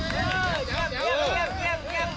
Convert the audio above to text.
พี่จ่างมีทางออกพี่เชื่อพี่